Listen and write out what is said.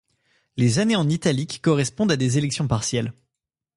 Les années en italique correspondent à des élections partielles.